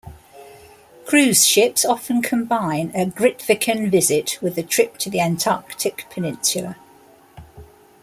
Cruise ships often combine a Grytviken visit with a trip to the Antarctic Peninsula.